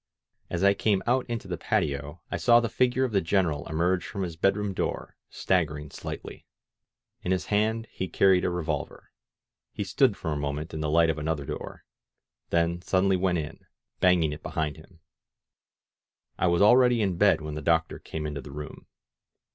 As I came out into the patio, I saw the figure of the Greneral emerge from his bed room door, staggering slightly. In his hand he carried a revolver. He stood for a moment in the light of another door, then suddenly went in, banging it be hind him. I was already in bed when the doctor came into the room.